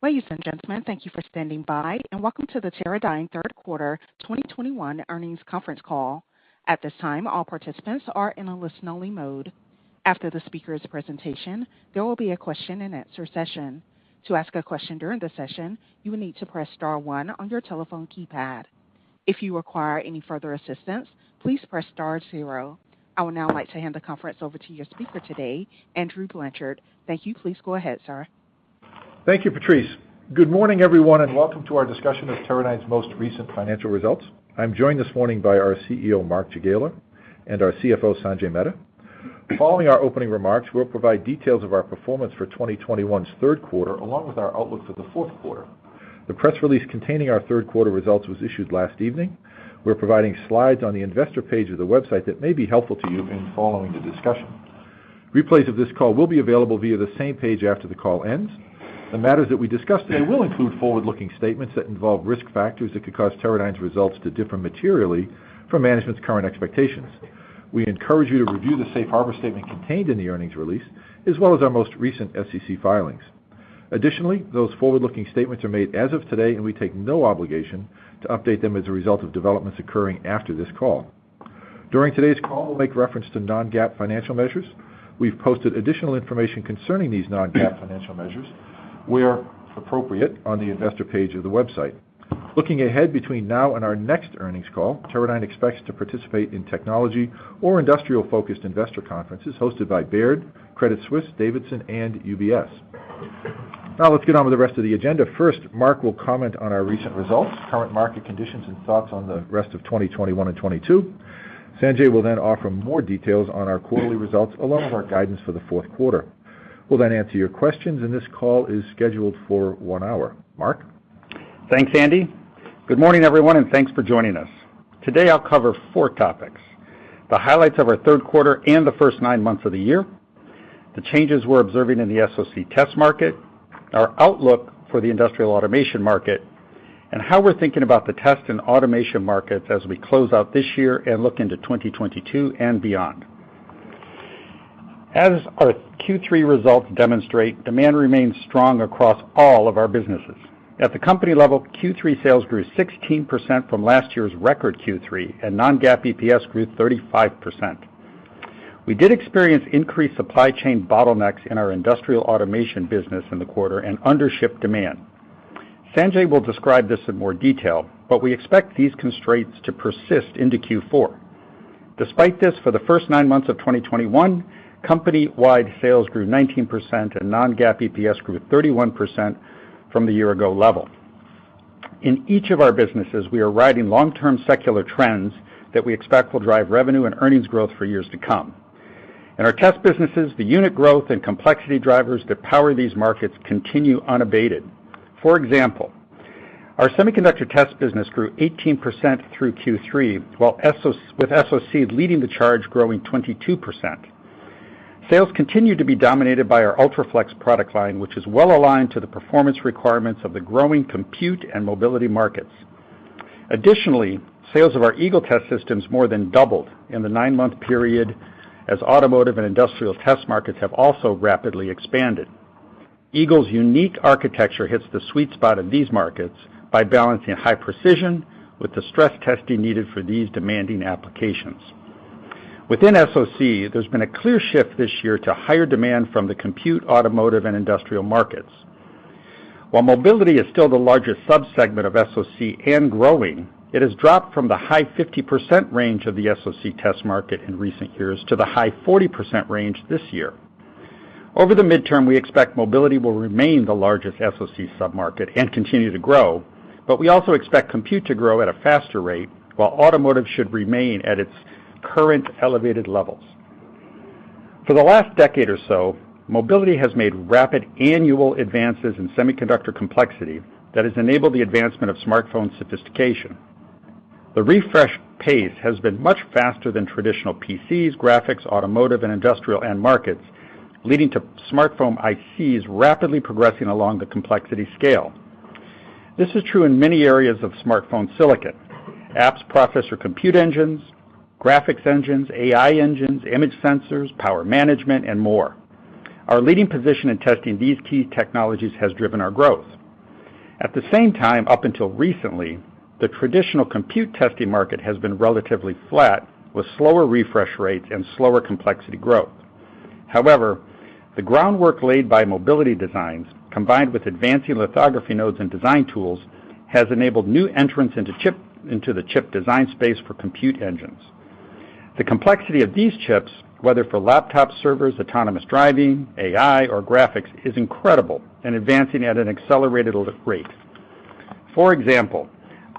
Ladies and gentlemen, thank you for standing by, and welcome to the Teradyne third quarter 2021 earnings conference call. At this time, all participants are in a listen-only mode. After the speaker's presentation, there will be a question-and-answer session. To ask a question during the session, you will need to press star one on your telephone keypad. If you require any further assistance, please press star zero. I would now like to hand the conference over to your speaker today, Andrew Blanchard. Thank you. Please go ahead, sir. Thank you, Patrice. Good morning, everyone, and welcome to our discussion of Teradyne's most recent financial results. I'm joined this morning by our CEO, Mark Jagiela, and our CFO, Sanjay Mehta. Following our opening remarks, we'll provide details of our performance for 2021's third quarter, along with our outlook for the fourth quarter. The press release containing our third quarter results was issued last evening. We're providing slides on the investor page of the website that may be helpful to you in following the discussion. Replays of this call will be available via the same page after the call ends. The matters that we discussed today will include forward-looking statements that involve risk factors that could cause Teradyne's results to differ materially from management's current expectations. We encourage you to review the safe harbor statement contained in the earnings release, as well as our most recent SEC filings. Additionally, those forward-looking statements are made as of today, and we take no obligation to update them as a result of developments occurring after this call. During today's call, we'll make reference to non-GAAP financial measures. We've posted additional information concerning these non-GAAP financial measures, where appropriate, on the investor page of the website. Looking ahead between now and our next earnings call, Teradyne expects to participate in technology or industrial-focused investor conferences hosted by Baird, Credit Suisse, D.A. Davidson, and UBS. Now let's get on with the rest of the agenda. First, Mark will comment on our recent results, current market conditions, and thoughts on the rest of 2021 and 2022. Sanjay will then offer more details on our quarterly results along with our guidance for the fourth quarter. We'll then answer your questions, and this call is scheduled for one hour. Mark? Thanks, Andy. Good morning, everyone, and thanks for joining us. Today I'll cover four topics, the highlights of our third quarter and the first nine months of the year, the changes we're observing in the SOC test market, our outlook for the industrial automation market, and how we're thinking about the test and automation markets as we close out this year and look into 2022 and beyond. As our Q3 results demonstrate, demand remains strong across all of our businesses. At the company level, Q3 sales grew 16% from last year's record Q3 and non-GAAP EPS grew 35%. We did experience increased supply chain bottlenecks in our industrial automation business in the quarter and undershipped demand. Sanjay will describe this in more detail, but we expect these constraints to persist into Q4. Despite this, for the first nine months of 2021, company-wide sales grew 19% and non-GAAP EPS grew 31% from the year-ago level. In each of our businesses, we are riding long-term secular trends that we expect will drive revenue and earnings growth for years to come. In our test businesses, the unit growth and complexity drivers that power these markets continue unabated. For example, our semiconductor test business grew 18% through Q3, while SoC, with SoC leading the charge, growing 22%. Sales continue to be dominated by our UltraFLEX product line, which is well aligned to the performance requirements of the growing compute and mobility markets. Additionally, sales of our Eagle Test Systems more than doubled in the nine month period as automotive and industrial test markets have also rapidly expanded. Eagle's unique architecture hits the sweet spot in these markets by balancing high precision with the stress testing needed for these demanding applications. Within SOC, there's been a clear shift this year to higher demand from the compute, automotive, and industrial markets. While mobility is still the largest sub-segment of SOC and growing, it has dropped from the high 50% range of the SOC test market in recent years to the high 40% range this year. Over the midterm, we expect mobility will remain the largest SOC sub-market and continue to grow, but we also expect compute to grow at a faster rate, while automotive should remain at its current elevated levels. For the last decade or so, mobility has made rapid annual advances in semiconductor complexity that has enabled the advancement of smartphone sophistication. The refresh pace has been much faster than traditional PCs, graphics, automotive, and industrial end markets, leading to smartphone ICs rapidly progressing along the complexity scale. This is true in many areas of smartphone silicon, apps, processor, compute engines, graphics engines, AI engines, image sensors, power management, and more. Our leading position in testing these key technologies has driven our growth. At the same time, up until recently, the traditional compute testing market has been relatively flat, with slower refresh rates and slower complexity growth. However, the groundwork laid by mobility designs, combined with advancing lithography nodes and design tools, has enabled new entrants into the chip design space for compute engines. The complexity of these chips, whether for laptop servers, autonomous driving, AI, or graphics, is incredible and advancing at an accelerated rate. For example,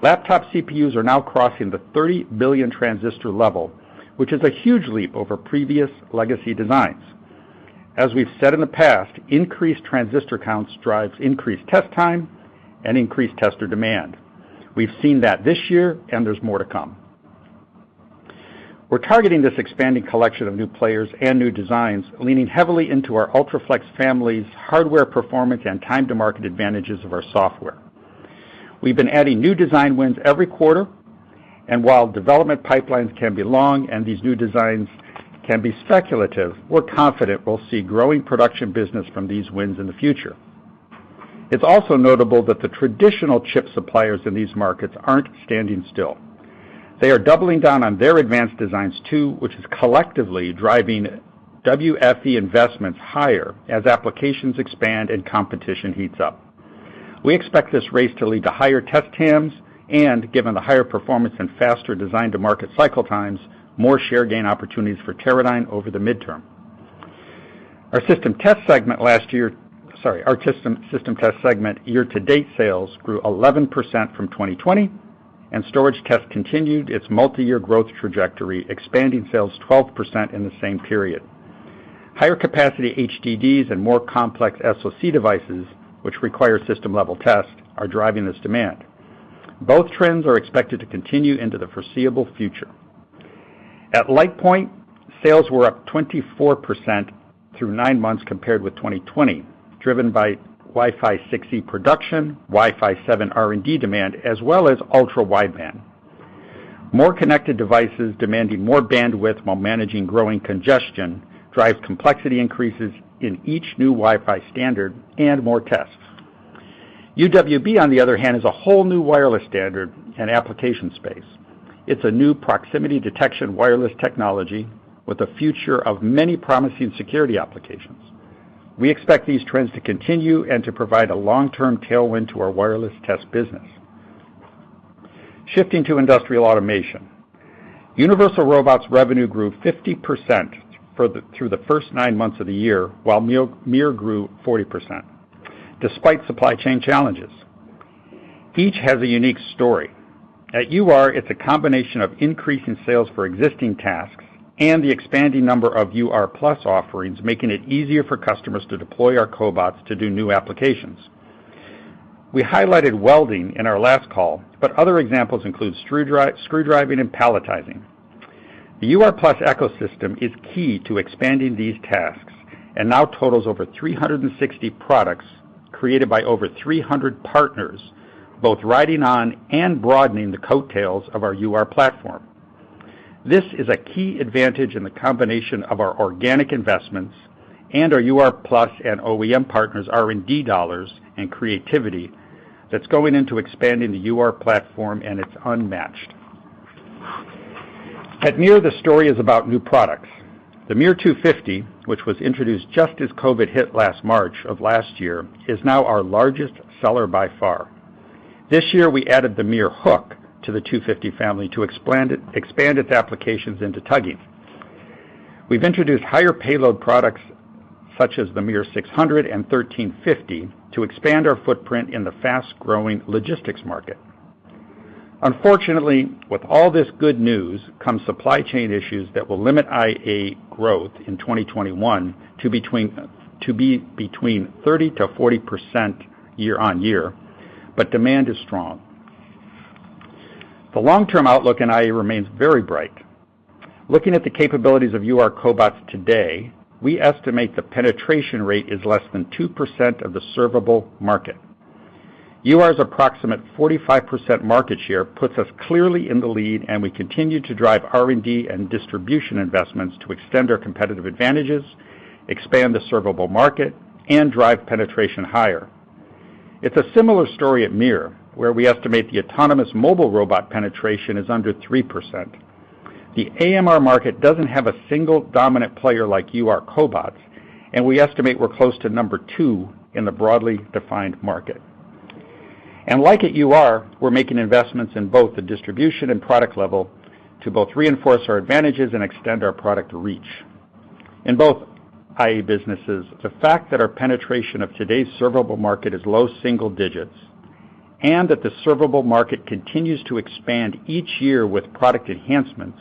laptop CPUs are now crossing the 30 billion transistor level, which is a huge leap over previous legacy designs. As we've said in the past, increased transistor counts drives increased test time and increased tester demand. We've seen that this year, and there's more to come. We're targeting this expanding collection of new players and new designs, leaning heavily into our UltraFLEX family's hardware performance and time to market advantages of our software. We've been adding new design wins every quarter, and while development pipelines can be long and these new designs can be speculative, we're confident we'll see growing production business from these wins in the future. It's also notable that the traditional chip suppliers in these markets aren't standing still. They are doubling down on their advanced designs too, which is collectively driving WFE investments higher as applications expand and competition heats up. We expect this race to lead to higher test TAMs and, given the higher performance and faster design to market cycle times, more share gain opportunities for Teradyne over the midterm. Our System Test segment year-to-date sales grew 11% from 2020, and storage test continued its multi-year growth trajectory, expanding sales 12% in the same period. Higher capacity HDDs and more complex SoC devices, which require system-level tests, are driving this demand. Both trends are expected to continue into the foreseeable future. At LitePoint, sales were up 24% through nine months compared with 2020, driven by Wi-Fi 6E production, Wi-Fi 7 R&D demand, as well as Ultra-Wideband. More connected devices demanding more bandwidth while managing growing congestion drives complexity increases in each new Wi-Fi standard and more tests. UWB, on the other hand, is a whole new wireless standard and application space. It's a new proximity detection wireless technology with a future of many promising security applications. We expect these trends to continue and to provide a long-term tailwind to our wireless test business. Shifting to industrial automation. Universal Robots' revenue grew 50% through the first nine months of the year, while MiR grew 40%, despite supply chain challenges. Each has a unique story. At UR, it's a combination of increasing sales for existing tasks and the expanding number of UR+ offerings, making it easier for customers to deploy our cobots to do new applications. We highlighted welding in our last call, but other examples include screwdriving and palletizing. The UR+ ecosystem is key to expanding these tasks and now totals over 360 products created by over 300 partners, both riding on and broadening the coattails of our UR platform. This is a key advantage in the combination of our organic investments and our UR+ and OEM partners' R&D dollars and creativity that's going into expanding the UR platform, and it's unmatched. At MiR, the story is about new products. The MiR250, which was introduced just as COVID hit last March of last year, is now our largest seller by far. This year, we added the MiR250 Hook to the MiR250 family to expand its applications into tugging. We've introduced higher payload products such as the MiR600 and MiR1350 to expand our footprint in the fast-growing logistics market. Unfortunately, with all this good news comes supply chain issues that will limit IA growth in 2021 to between 30%-40% year-over-year, but demand is strong. The long-term outlook in IA remains very bright. Looking at the capabilities of UR cobots today, we estimate the penetration rate is less than 2% of the servable market. UR's approximate 45% market share puts us clearly in the lead, and we continue to drive R&D and distribution investments to extend our competitive advantages, expand the servable market, and drive penetration higher. It's a similar story at MiR, where we estimate the autonomous mobile robot penetration is under 3%. The AMR market doesn't have a single dominant player like UR cobots, and we estimate we're close to number two in the broadly defined market. Like at UR, we're making investments in both the distribution and product level to both reinforce our advantages and extend our product reach. In both IA businesses, the fact that our penetration of today's servable market is low single digits and that the servable market continues to expand each year with product enhancements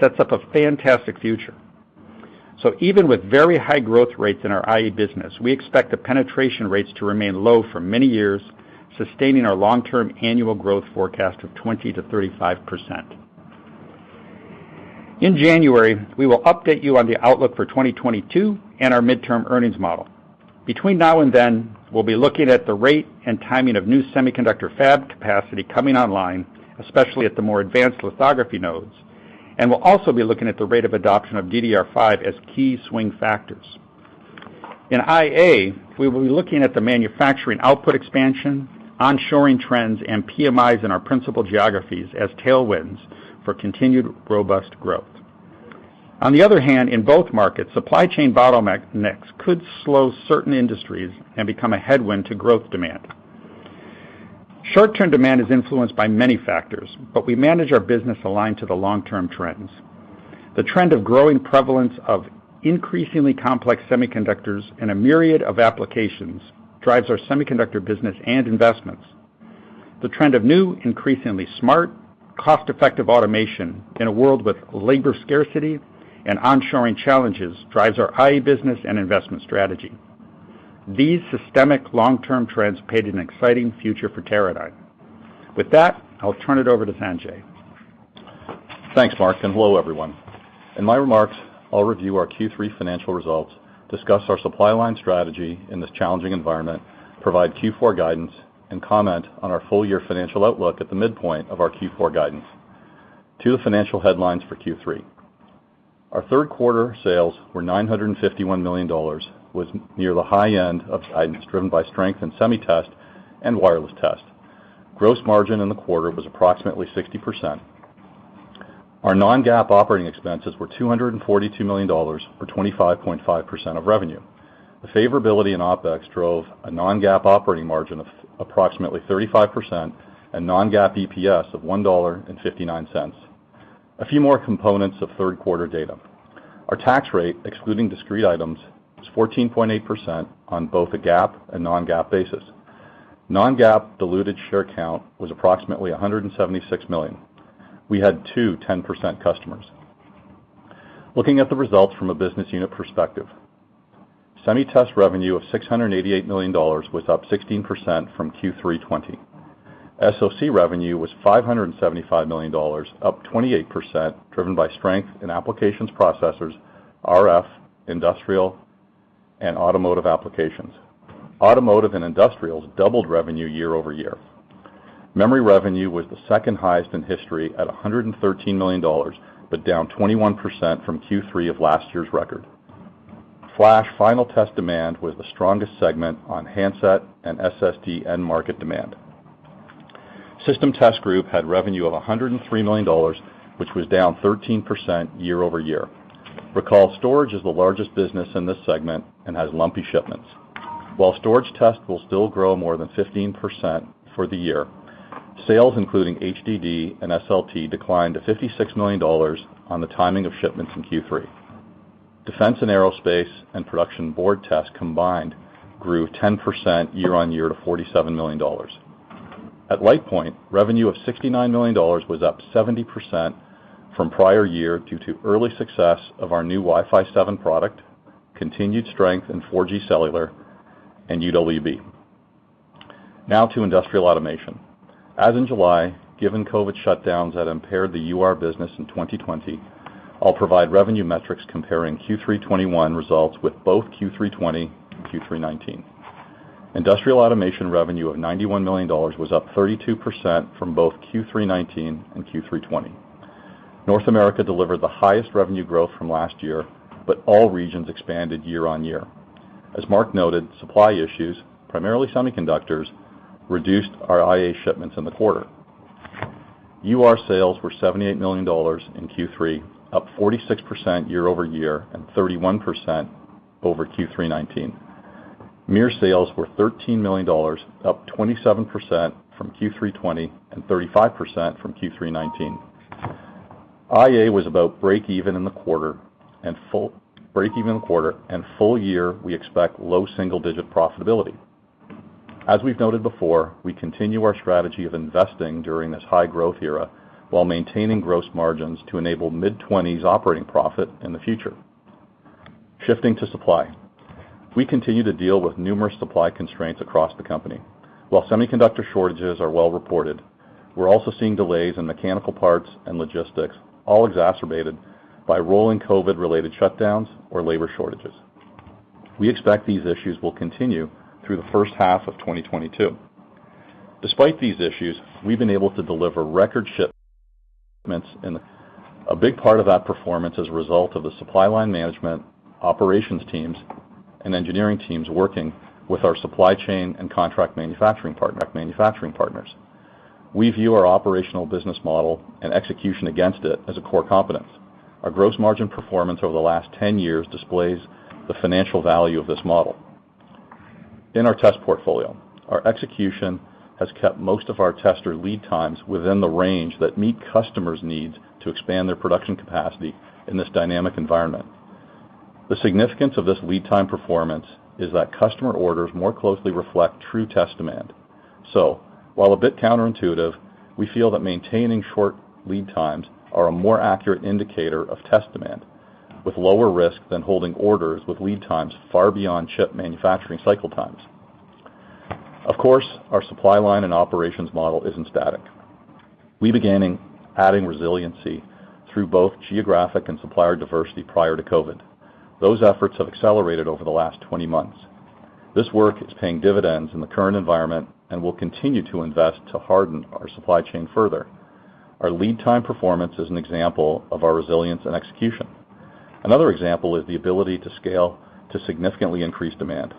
sets up a fantastic future. Even with very high growth rates in our IA business, we expect the penetration rates to remain low for many years, sustaining our long-term annual growth forecast of 20%-35%. In January, we will update you on the outlook for 2022 and our midterm earnings model. Between now and then, we'll be looking at the rate and timing of new semiconductor fab capacity coming online, especially at the more advanced lithography nodes, and we'll also be looking at the rate of adoption of DDR5 as key swing factors. In IA, we will be looking at the manufacturing output expansion, onshoring trends, and PMIs in our principal geographies as tailwinds for continued robust growth. On the other hand, in both markets, supply chain bottlenecks could slow certain industries and become a headwind to growth demand. Short-term demand is influenced by many factors, but we manage our business aligned to the long-term trends. The trend of growing prevalence of increasingly complex semiconductors in a myriad of applications drives our semiconductor business and investments. The trend of new, increasingly smart, cost-effective automation in a world with labor scarcity and onshoring challenges drives our IA business and investment strategy. These systemic long-term trends paint an exciting future for Teradyne. With that, I'll turn it over to Sanjay. Thanks, Mark, and hello, everyone. In my remarks, I'll review our Q3 financial results, discuss our supply chain strategy in this challenging environment, provide Q4 guidance, and comment on our full-year financial outlook at the midpoint of our Q4 guidance. Two financial headlines for Q3. Our third quarter sales were $951 million, which was near the high end of our guidance driven by strength in Semiconductor Test and Wireless Test. Gross margin in the quarter was approximately 60%. Our non-GAAP operating expenses were $242 million, or 25.5% of revenue. The favorability in OpEx drove a non-GAAP operating margin of approximately 35% and non-GAAP EPS of $1.59. A few more components of third quarter data. Our tax rate, excluding discrete items, was 14.8% on both the GAAP and non-GAAP basis. Non-GAAP diluted share count was approximately $176 million. We had two 10% customers. Looking at the results from a business unit perspective. Semiconductor Test revenue of $688 million was up 16% from Q3 2020. SOC revenue was $575 million, up 28%, driven by strength in applications processors, RF, industrial, and automotive applications. Automotive and industrials doubled revenue year-over-year. Memory revenue was the second highest in history at $113 million, but down 21% from Q3 of last year's record. Flash final test demand was the strongest segment on handset and SSD end market demand. System Test Group had revenue of $103 million, which was down 13% year-over-year. HDD storage is the largest business in this segment and has lumpy shipments. While storage test will still grow more than 15% for the year, sales including HDD and SLT declined to $56 million on the timing of shipments in Q3. Defense and aerospace and production board tests combined grew 10% year-over-year to $47 million. At LitePoint, revenue of $69 million was up 70% from prior year due to early success of our new Wi-Fi 7 product, continued strength in 4G cellular and UWB. Now to Industrial Automation. As in July, given COVID shutdowns that impaired the UR business in 2020, I'll provide revenue metrics comparing Q3 2021 results with both Q3 2020 and Q3 2019. Industrial Automation revenue of $91 million was up 32% from both Q3 2019 and Q3 2020. North America delivered the highest revenue growth from last year, but all regions expanded year-over-year. As Mark noted, supply issues, primarily semiconductors, reduced our IA shipments in the quarter. UR sales were $78 million in Q3, up 46% year-over-year and 31% over Q3 2019. MiR sales were $13 million, up 27% from Q3 2020 and 35% from Q3 2019. IA was about break even in the quarter and full year, we expect low single-digit profitability. As we've noted before, we continue our strategy of investing during this high growth era while maintaining gross margins to enable mid-twenties operating profit in the future. Shifting to supply. We continue to deal with numerous supply constraints across the company. While semiconductor shortages are well reported, we're also seeing delays in mechanical parts and logistics, all exacerbated by rolling COVID-related shutdowns or labor shortages. We expect these issues will continue through the first half of 2022. Despite these issues, we've been able to deliver record shipments, and a big part of that performance is a result of the supply line management, operations teams, and engineering teams working with our supply chain and contract manufacturing partners. We view our operational business model and execution against it as a core competence. Our gross margin performance over the last ten years displays the financial value of this model. In our test portfolio, our execution has kept most of our tester lead times within the range that meet customers' needs to expand their production capacity in this dynamic environment. The significance of this lead time performance is that customer orders more closely reflect true test demand. While a bit counterintuitive, we feel that maintaining short lead times are a more accurate indicator of test demand, with lower risk than holding orders with lead times far beyond chip manufacturing cycle times. Of course, our supply line and operations model isn't static. We began adding resiliency through both geographic and supplier diversity prior to COVID. Those efforts have accelerated over the last 20 months. This work is paying dividends in the current environment, and we'll continue to invest to harden our supply chain further. Our lead time performance is an example of our resilience and execution. Another example is the ability to scale to significantly increase demand.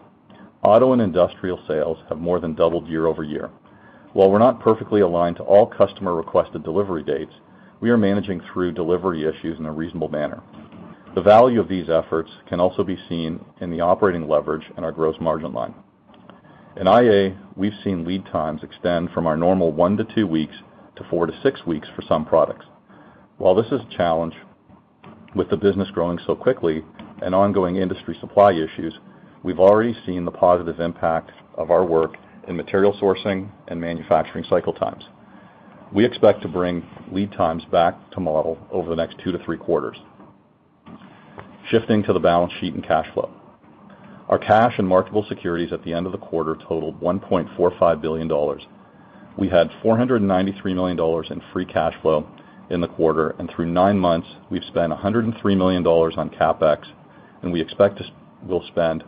Auto and industrial sales have more than doubled year-over-year. While we're not perfectly aligned to all customer requested delivery dates, we are managing through delivery issues in a reasonable manner. The value of these efforts can also be seen in the operating leverage in our gross margin line. In IA, we've seen lead times extend from our normal one to two weeks to four to six weeks for some products. While this is a challenge with the business growing so quickly and ongoing industry supply issues, we've already seen the positive impact of our work in material sourcing and manufacturing cycle times. We expect to bring lead times back to model over the next two to three quarters. Shifting to the balance sheet and cash flow. Our cash and marketable securities at the end of the quarter totaled $1.45 billion. We had $493 million in free cash flow in the quarter, and through nine months, we've spent $103 million on CapEx, and we'll spend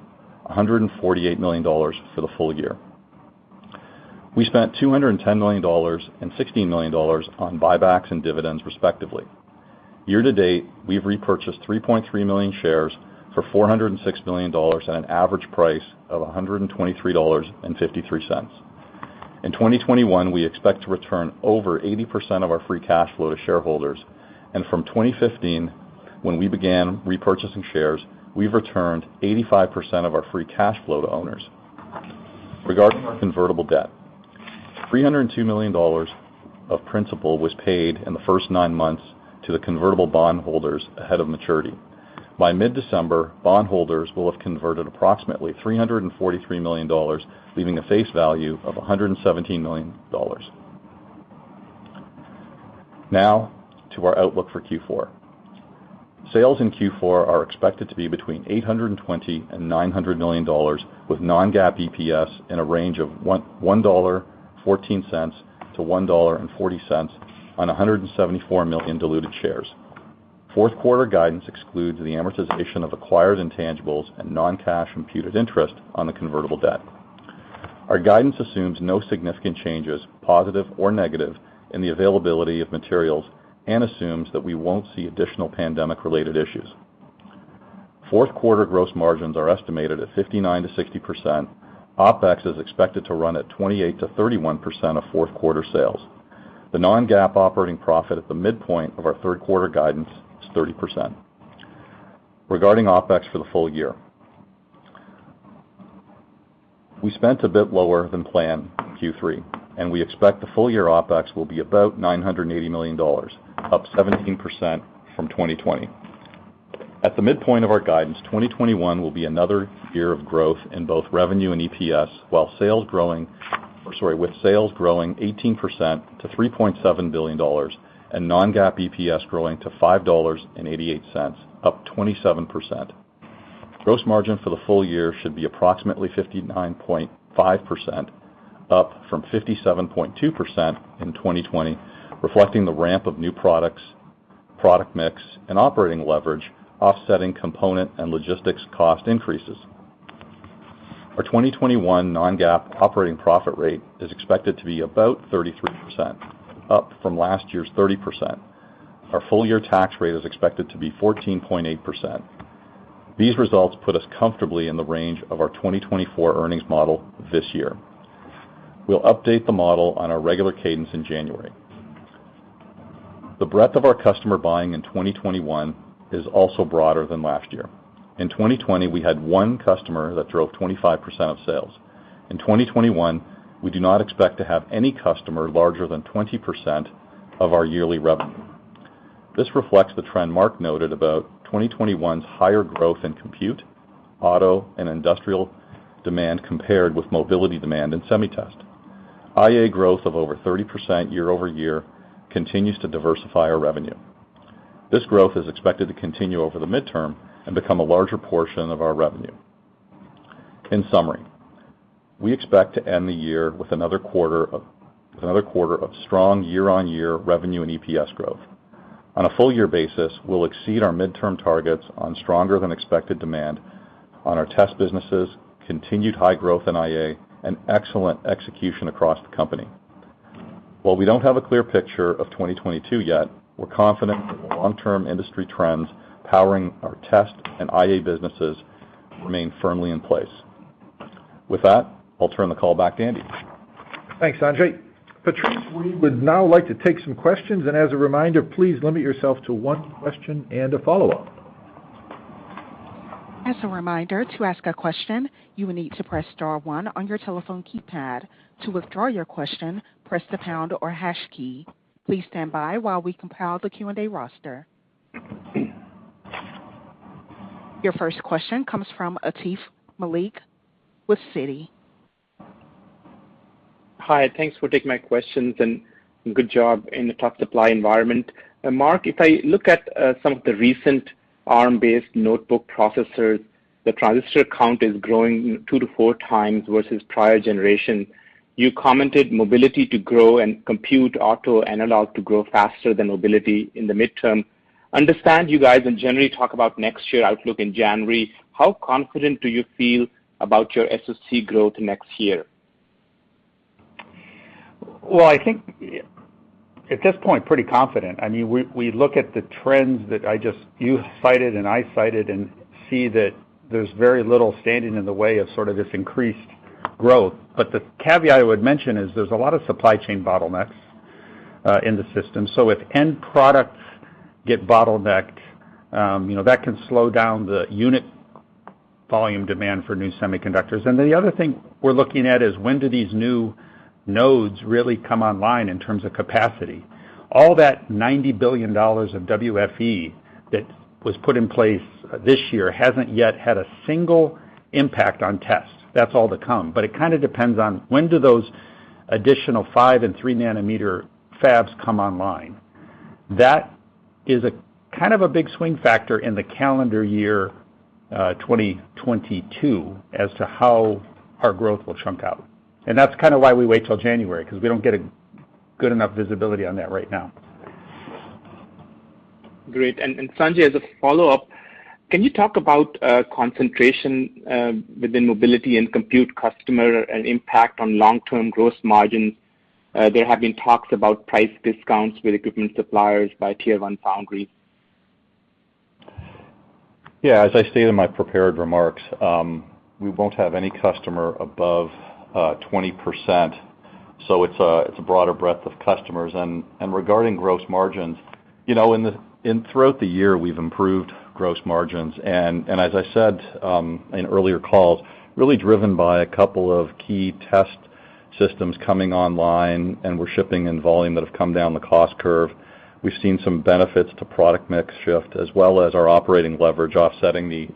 $148 million for the full year. We spent $210 million and $16 million on buybacks and dividends, respectively. Year-to-date, we've repurchased 3.3 million shares for $406 million at an average price of $123.53. In 2021, we expect to return over 80% of our free cash flow to shareholders. From 2015, when we began repurchasing shares, we've returned 85% of our free cash flow to owners. Regarding our convertible debt, $302 million of principal was paid in the first nine months to the convertible bondholders ahead of maturity. By mid-December, bondholders will have converted approximately $343 million, leaving a face value of $117 million. Now to our outlook for Q4. Sales in Q4 are expected to be between $820 million and $900 million, with non-GAAP EPS in a range of $1.14 to $1.40 on 174 million diluted shares. Fourth quarter guidance excludes the amortization of acquired intangibles and non-cash imputed interest on the convertible debt. Our guidance assumes no significant changes, positive or negative, in the availability of materials and assumes that we won't see additional pandemic-related issues. Fourth quarter gross margins are estimated at 59%-60%. OpEx is expected to run at 28%-31% of fourth quarter sales. The non-GAAP operating profit at the midpoint of our third quarter guidance is 30%. Regarding OpEx for the full year, we spent a bit lower than planned in Q3, and we expect the full-year OpEx will be about $980 million, up 17% from 2020. At the midpoint of our guidance, 2021 will be another year of growth in both revenue and EPS with sales growing 18% to $3.7 billion and non-GAAP EPS growing to $5.88, up 27%. Gross margin for the full year should be approximately 59.5%, up from 57.2% in 2020, reflecting the ramp of new products, product mix, and operating leverage offsetting component and logistics cost increases. Our 2021 non-GAAP operating profit rate is expected to be about 33%, up from last year's 30%. Our full-year tax rate is expected to be 14.8%. These results put us comfortably in the range of our 2024 earnings model this year. We'll update the model on our regular cadence in January. The breadth of our customer buying in 2021 is also broader than last year. In 2020, we had one customer that drove 25% of sales. In 2021, we do not expect to have any customer larger than 20% of our yearly revenue. This reflects the trend Mark noted about 2021's higher growth in compute, auto, and industrial demand compared with mobility demand and semi-test. IA growth of over 30% year-over-year continues to diversify our revenue. This growth is expected to continue over the midterm and become a larger portion of our revenue. In summary, we expect to end the year with another quarter of strong year-on-year revenue and EPS growth. On a full year basis, we'll exceed our midterm targets on stronger than expected demand on our test businesses, continued high growth in IA, and excellent execution across the company. While we don't have a clear picture of 2022 yet, we're confident that the long-term industry trends powering our test and IA businesses remain firmly in place. With that, I'll turn the call back to Andy. Thanks, Sanjay. Patrice, we would now like to take some questions, and as a reminder, please limit yourself to one question and a follow-up. As a reminder, to ask a question, you will need to press star one on your telephone keypad. To withdraw your question, press the pound or hash key. Please stand by while we compile the Q&A roster. Your first question comes from Atif Malik with Citi. Hi, thanks for taking my questions and good job in the tough supply environment. Mark, if I look at some of the recent Arm-based notebook processors, the transistor count is growing 2x-4x versus prior generation. You commented mobility to grow and compute auto analog to grow faster than mobility in the midterm. I understand you guys in January talk about next year outlook in January. How confident do you feel about your SoC growth next year? Well, I think at this point, I'm pretty confident. I mean, we look at the trends that you cited and I cited and see that there's very little standing in the way of sort of this increased growth. But the caveat I would mention is there's a lot of supply chain bottlenecks in the system. So if end products get bottlenecked, you know, that can slow down the unit volume demand for new semiconductors. And the other thing we're looking at is when do these new nodes really come online in terms of capacity. All that $90 billion of WFE that was put in place this year hasn't yet had a single impact on test. That's all to come. But it kind of depends on when do those Additional 5 nm and 3 nm fabs come online. That is a kind of a big swing factor in the calendar year 2022 as to how our growth will play out. That's kind of why we wait till January, 'cause we don't get a good enough visibility on that right now. Great. Sanjay, as a follow-up, can you talk about concentration within mobility and compute customer and impact on long-term gross margin? There have been talks about price discounts with equipment suppliers by Tier One Foundry. Yeah, as I stated in my prepared remarks, we won't have any customer above 20%, so it's a broader breadth of customers. Regarding gross margins, you know, throughout the year, we've improved gross margins. As I said in earlier calls, really driven by a couple of key test systems coming online, and we're shipping in volume that have come down the cost curve. We've seen some benefits to product mix shift as well as our operating leverage offsetting the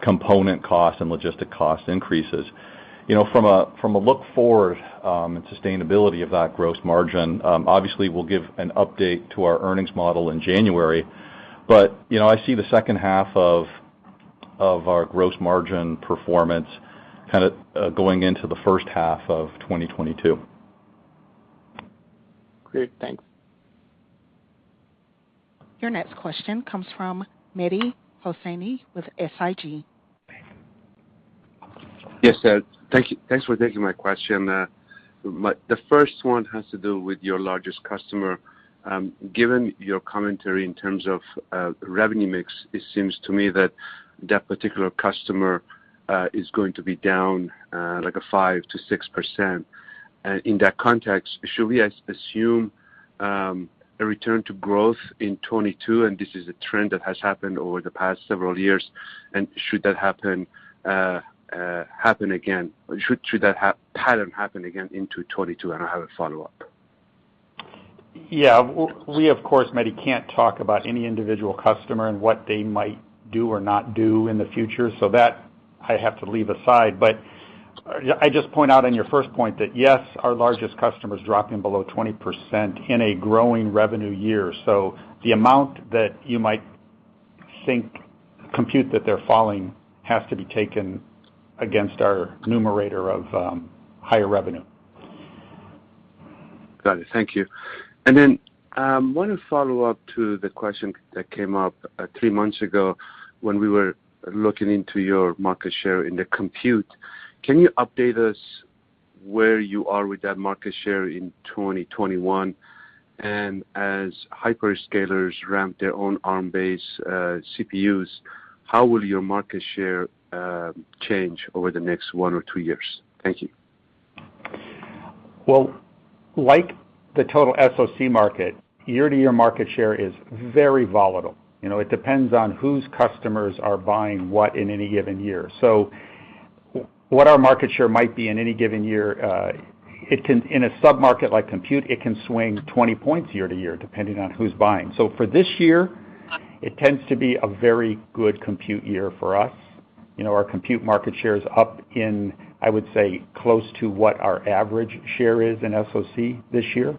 component cost and logistics cost increases. You know, from a look forward and sustainability of that gross margin, obviously, we'll give an update to our earnings model in January. You know, I see the second half of our gross margin performance kind of going into the first half of 2022. Great. Thanks. Your next question comes from Mehdi Hosseini with SIG. Yes, thank you. Thanks for taking my question. The first one has to do with your largest customer. Given your commentary in terms of revenue mix, it seems to me that that particular customer is going to be down like 5%-6%. In that context, should we assume a return to growth in 2022, and this is a trend that has happened over the past several years, and should that happen again? Should that pattern happen again into 2022? I have a follow-up. Yeah. We, of course, Mehdi, can't talk about any individual customer and what they might do or not do in the future, so that I have to leave aside. I just point out on your first point that, yes, our largest customer is dropping below 20% in a growing revenue year. The amount that you might think they're contributing has to be taken against our numerator of higher revenue. Got it. Thank you. Then, one follow-up to the question that came up three months ago when we were looking into your market share in the compute. Can you update us where you are with that market share in 2021? As hyperscalers ramp their own Arm-based CPUs, how will your market share change over the next one or two years? Thank you. Well, like the total SOC market, year-to-year market share is very volatile. You know, it depends on whose customers are buying what in any given year. What our market share might be in any given year, it can swing 20 points year-to-year in a sub-market like compute, depending on who's buying. For this year, it tends to be a very good compute year for us. You know, our compute market share is up in, I would say, close to what our average share is in SOC this year.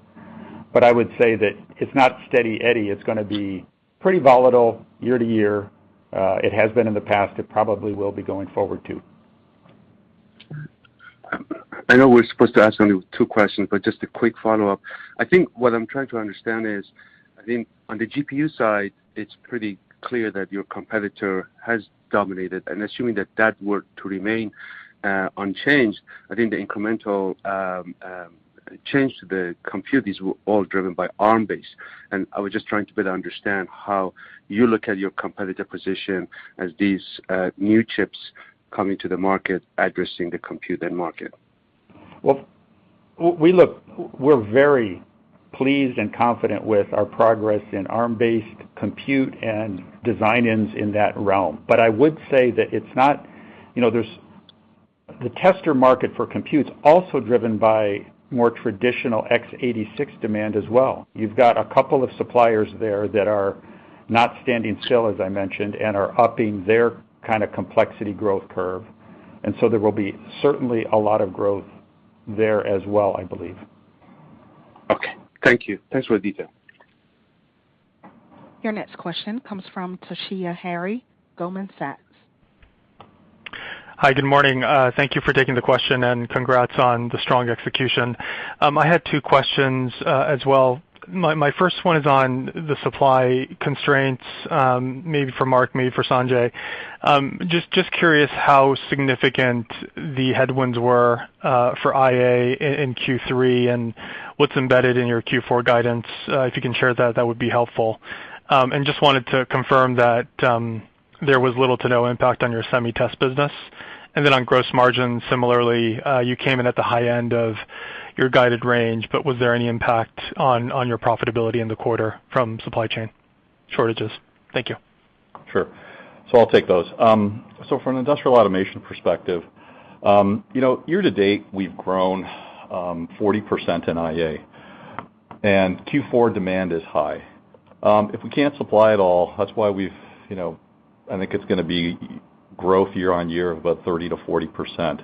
But I would say that it's not steady eddy. It's gonna be pretty volatile year to year. It has been in the past. It probably will be going forward, too. I know we're supposed to ask only two questions, but just a quick follow-up. I think what I'm trying to understand is, I think on the GPU side, it's pretty clear that your competitor has dominated. Assuming that were to remain unchanged, I think the incremental change to the compute is all driven by Arm-based. I was just trying to better understand how you look at your competitive position as these new chips come into the market addressing the compute end market. Well, we're very pleased and confident with our progress in Arm-based compute and design-ins in that realm. I would say that it's not. You know, there's the tester market for compute is also driven by more traditional X86 demand as well. You've got a couple of suppliers there that are not standing still, as I mentioned, and are upping their kind of complexity growth curve. There will be certainly a lot of growth there as well, I believe. Okay. Thank you. Thanks for the detail. Your next question comes from Toshiya Hari, Goldman Sachs. Hi. Good morning. Thank you for taking the question, and congrats on the strong execution. I had two questions as well. My first one is on the supply constraints, maybe for Mark, maybe for Sanjay. Just curious how significant the headwinds were for IA in Q3 and what's embedded in your Q4 guidance. If you can share that would be helpful. Just wanted to confirm that there was little to no impact on your semi-test business. On gross margin, similarly, you came in at the high end of your guided range, but was there any impact on your profitability in the quarter from supply chain shortages? Thank you. Sure. I'll take those. From an industrial automation perspective, you know, year to date, we've grown 40% in IA. Q4 demand is high. If we can't supply it all, that's why we've, you know, I think it's gonna be growth year-on-year of about 30%-40%.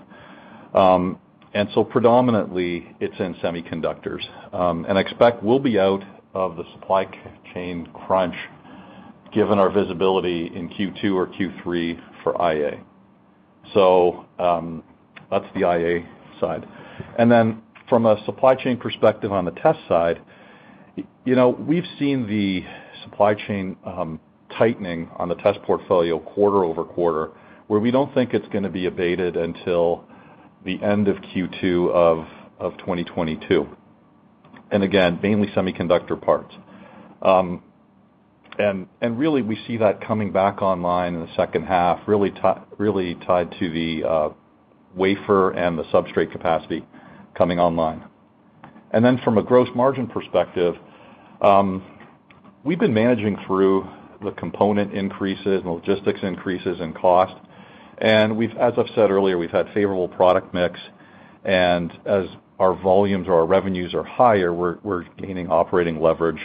Predominantly, it's in semiconductors. I expect we'll be out of the supply chain crunch, given our visibility in Q2 or Q3 for IA. That's the IA side. From a supply chain perspective on the test side, you know, we've seen the supply chain tightening on the test portfolio quarter-over-quarter, where we don't think it's gonna be abated until the end of Q2 of 2022. Again, mainly semiconductor parts. Really we see that coming back online in the second half really tied to the wafer and the substrate capacity coming online. Then from a gross margin perspective, we've been managing through the component increases and logistics increases in cost. As I've said earlier, we've had favorable product mix, and as our volumes or our revenues are higher, we're gaining operating leverage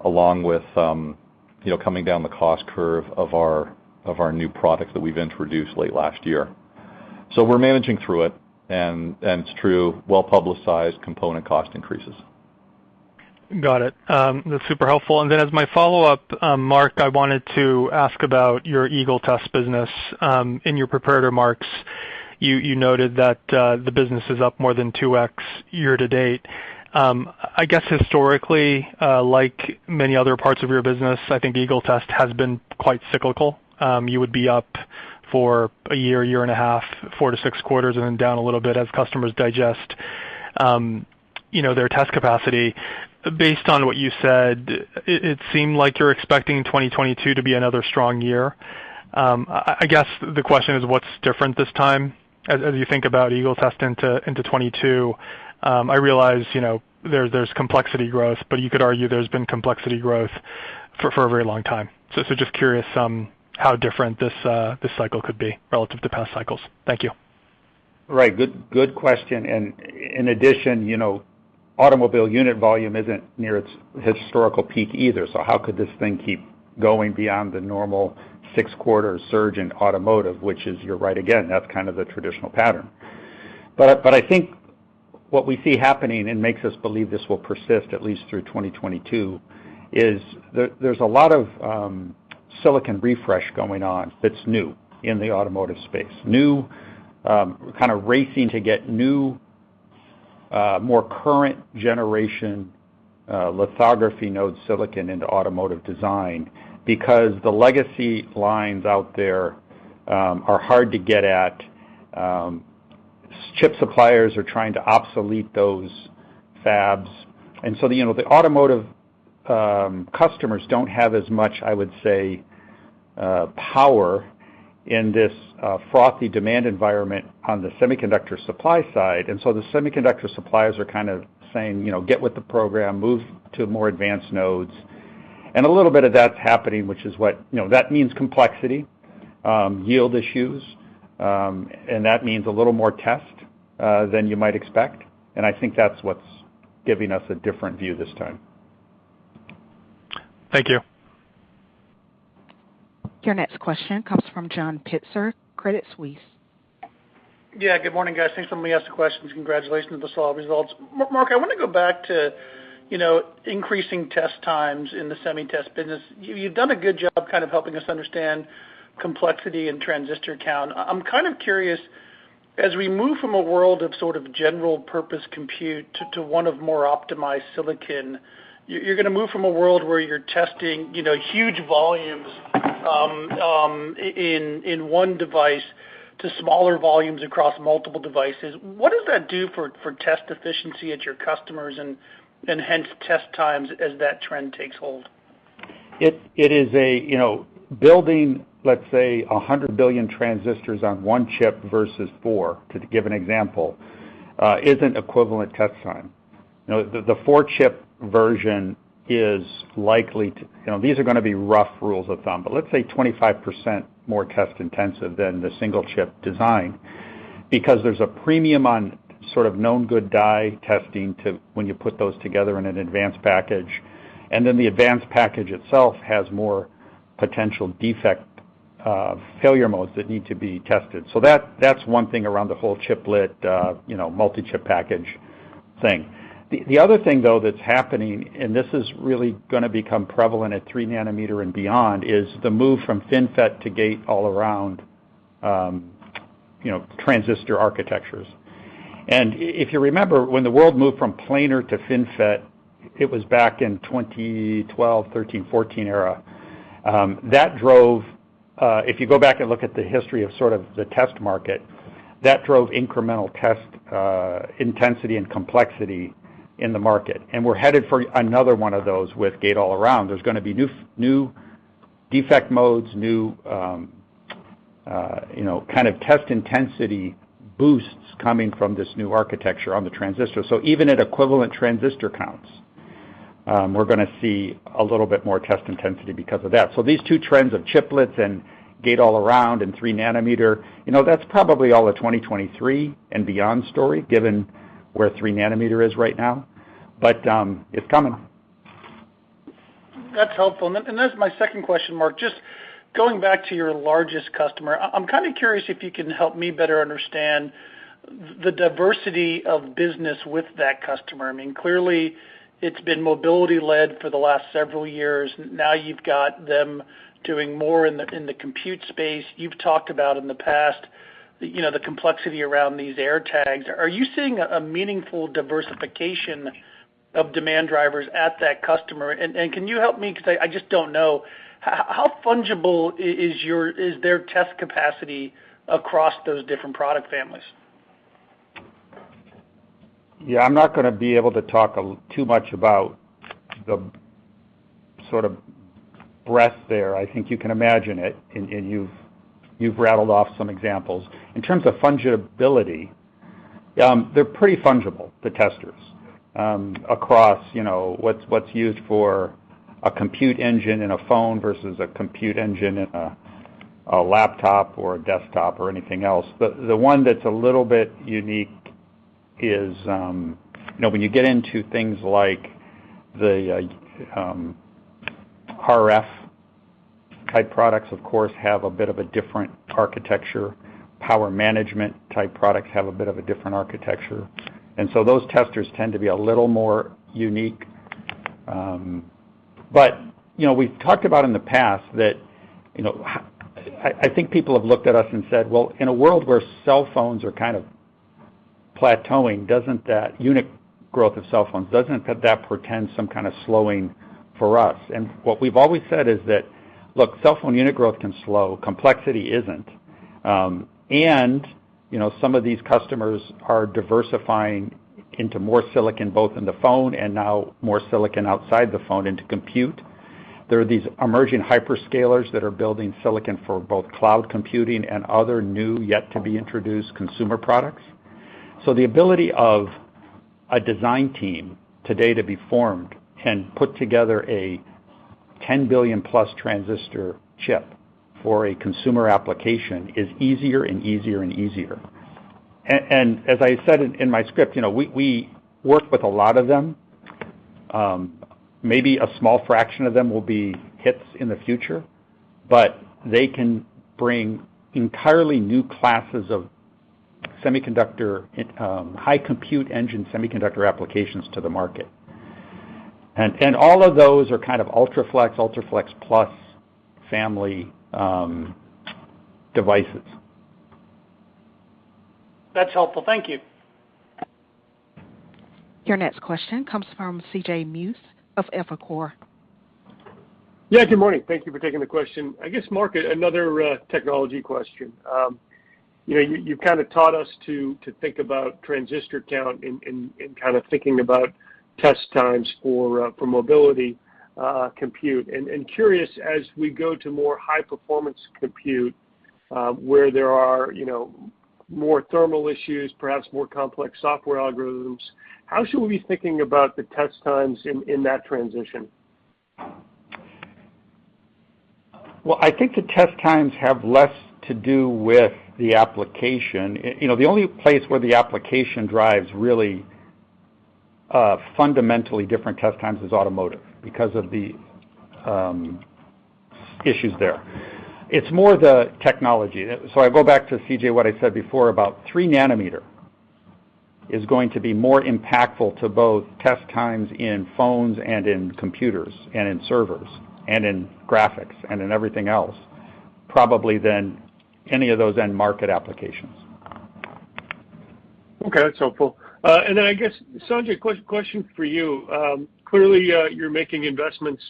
along with coming down the cost curve of our new products that we've introduced late last year. We're managing through it, and it's true, well-publicized component cost increases. Got it. That's super helpful. As my follow-up, Mark, I wanted to ask about your Eagle Test business. In your prepared remarks, you noted that the business is up more than 2x year to date. I guess historically, like many other parts of your business, I think Eagle Test has been quite cyclical. You would be up for a year and a half, four to six quarters, and then down a little bit as customers digest, you know, their test capacity. Based on what you said, it seemed like you're expecting 2022 to be another strong year. I guess the question is what's different this time as you think about Eagle Test into 2022? I realize, you know, there's complexity growth, but you could argue there's been complexity growth for a very long time. Just curious how different this cycle could be relative to past cycles. Thank you. Right. Good question. In addition, you know, automobile unit volume isn't near its historical peak either. How could this thing keep going beyond the normal six-quarter surge in automotive, which is, you're right again, that's kind of the traditional pattern. I think what we see happening, and makes us believe this will persist at least through 2022, is there's a lot of silicon refresh going on that's new in the automotive space. New kind of racing to get new more current generation lithography node silicon into automotive design because the legacy lines out there are hard to get at. Chip suppliers are trying to obsolete those fabs. You know, the automotive customers don't have as much, I would say, power in this frothy demand environment on the semiconductor supply side. The semiconductor suppliers are kind of saying, you know, "Get with the program, move to more advanced nodes." A little bit of that's happening, which is what you know, that means complexity, yield issues, and that means a little more test than you might expect. I think that's what's giving us a different view this time. Thank you. Your next question comes from John Pitzer, Credit Suisse. Yeah, good morning, guys. Thanks for letting me ask the questions. Congratulations on the solid results. Mark, I wanna go back to, you know, increasing test times in the semi-test business. You've done a good job kind of helping us understand complexity and transistor count. I'm kind of curious, as we move from a world of sort of general purpose compute to one of more optimized silicon, you're gonna move from a world where you're testing, you know, huge volumes in one device to smaller volumes across multiple devices. What does that do for test efficiency at your customers and hence test times as that trend takes hold? It is, you know, building 100 billion transistors on one chip versus four, to give an example, isn't equivalent test time. You know, the four-chip version you know these are gonna be rough rules of thumb, but let's say 25% more test intensive than the single chip design because there's a premium on sort of known good die testing when you put those together in an advanced package. The advanced package itself has more potential defect failure modes that need to be tested. That's one thing around the whole chiplet, you know, multi-chip package thing. The other thing, though, that's happening, and this is really gonna become prevalent at 3 nm and beyond, is the move from FinFET to Gate-All-Around, you know, transistor architectures. If you remember, when the world moved from planar to FinFET, it was back in 2012, 2013, 2014 era, that drove, if you go back and look at the history of sort of the test market, that drove incremental test intensity and complexity in the market. We're headed for another one of those with Gate-All-Around. There's gonna be new defect modes, new, you know, kind of test intensity boosts coming from this new architecture on the transistor. Even at equivalent transistor counts, we're gonna see a little bit more test intensity because of that. These two trends of chiplets and Gate-All-Around and 3 nm, you know, that's probably all a 2023 and beyond story, given where 3 nm is right now. It's coming. That's helpful. That's my second question, Mark. Just going back to your largest customer. I'm kind of curious if you can help me better understand the diversity of business with that customer. I mean, clearly, it's been mobility-led for the last several years. Now you've got them doing more in the compute space. You've talked about in the past, you know, the complexity around these AirTag. Are you seeing a meaningful diversification of demand drivers at that customer? Can you help me? 'Cause I just don't know. How fungible is their test capacity across those different product families? Yeah, I'm not gonna be able to talk too much about the sort of breadth there. I think you can imagine it, and you've rattled off some examples. In terms of fungibility, they're pretty fungible, the testers, across, you know, what's used for a compute engine in a phone versus a compute engine in a laptop or a desktop or anything else. The one that's a little bit unique is, you know, when you get into things like the RF-type products, of course, have a bit of a different architecture. Power management-type products have a bit of a different architecture. And so those testers tend to be a little more unique. You know, we've talked about in the past that, you know, I think people have looked at us and said, "Well, in a world where cell phones are kind of plateauing, doesn't that unit growth of cell phones, doesn't that portend some kind of slowing for us?" What we've always said is that, "Look, cell phone unit growth can slow, complexity isn't." You know, some of these customers are diversifying into more silicon, both in the phone and now more silicon outside the phone into compute. There are these emerging hyperscalers that are building silicon for both cloud computing and other new, yet-to-be-introduced consumer products. The ability of a design team today to be formed and put together a 10 billion-plus transistor chip for a consumer application is easier and easier and easier. As I said in my script, you know, we work with a lot of them. Maybe a small fraction of them will be hits in the future, but they can bring entirely new classes of semiconductor high-compute engine semiconductor applications to the market. all of those are kind of UltraFLEX, UltraFLEXplus family devices. That's helpful. Thank you. Your next question comes from C J Muse of Evercore. Yeah, good morning. Thank you for taking the question. I guess, Mark, another technology question. You know, you've kind of taught us to think about transistor count in kind of thinking about test times for mobility compute. Curious, as we go to more high-performance compute, where there are, you know, more thermal issues, perhaps more complex software algorithms, how should we be thinking about the test times in that transition? Well, I think the test times have less to do with the application. You know, the only place where the application drives really fundamentally different test times is automotive because of the issues there. It's more the technology. I go back to, C J, what I said before about 3 nm is going to be more impactful to both test times in phones and in computers and in servers and in graphics and in everything else, probably than any of those end market applications. Okay, that's helpful. I guess, Sanjay, question for you. Clearly, you're making investments,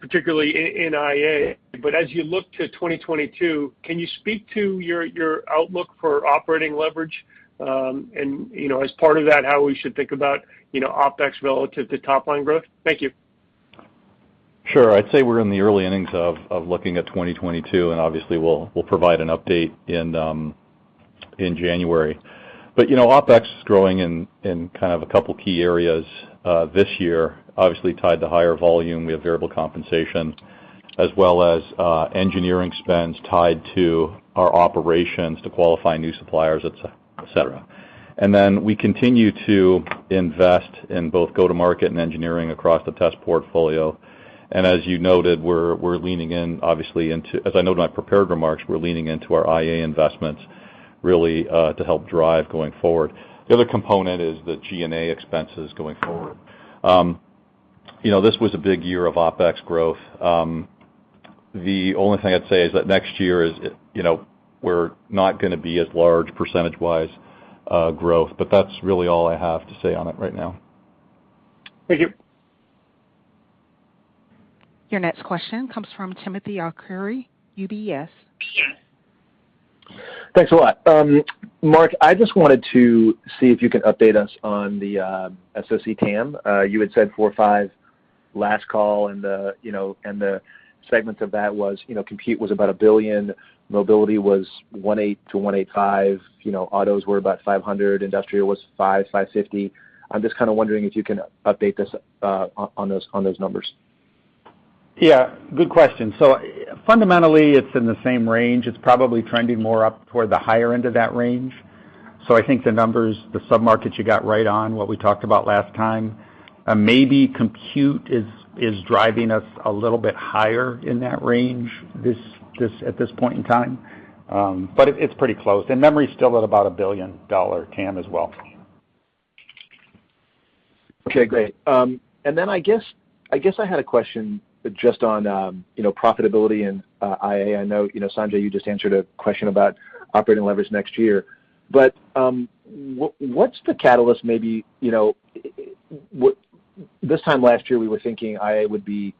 particularly in IA. As you look to 2022, can you speak to your outlook for operating leverage? You know, as part of that, how we should think about, you know, OpEx relative to top line growth? Thank you. Sure. I'd say we're in the early innings of looking at 2022, and obviously, we'll provide an update in January. You know, OpEx is growing in kind of a couple key areas this year, obviously tied to higher volume. We have variable compensation as well as engineering spends tied to our operations to qualify new suppliers, et cetera. We continue to invest in both go-to-market and engineering across the test portfolio. As you noted, as I noted in my prepared remarks, we're leaning into our IA investments really to help drive going forward. The other component is the G&A expenses going forward. You know, this was a big year of OpEx growth. The only thing I'd say is that next year is, you know, we're not gonna be as large percentage-wise growth, but that's really all I have to say on it right now. Thank you. Your next question comes from Timothy Arcuri, UBS. Thanks a lot. Mark, I just wanted to see if you can update us on the SOC TAM. You had said $4 or $5 billion last call and the, you know, and the segments of that was, you know, compute was about $1 billion, mobility was $1.8-$1.85 billion, you know, autos were about $500 million, industrial was $550 million. I'm just kind of wondering if you can update us on those numbers. Yeah, good question. Fundamentally, it's in the same range. It's probably trending more up toward the higher end of that range. I think the numbers, the sub-markets, you got right on what we talked about last time. Maybe compute is driving us a little bit higher in that range at this point in time. It's pretty close. Memory is still at about a billion-dollar TAM as well. Okay, great. I guess I had a question just on you know, profitability and IA. I know you know, Sanjay, you just answered a question about operating leverage next year. What's the catalyst maybe, you know? This time last year, we were thinking IA would be